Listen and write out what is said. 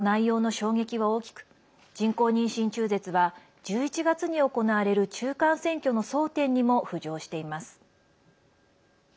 文書の内容の衝撃は大きく人工妊娠中絶は１１月に行われる中間選挙の争点にも浮上しています。